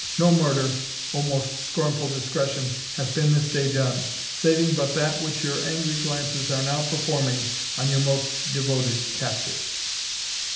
No murder, O most scornful Discretion, hath been this day done, saving but that which your angry glances are now performing on your most devoted captive."